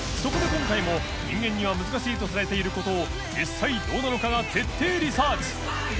今回も人間には難しいとされているコトを実際どうなの課」が徹底リサーチ磴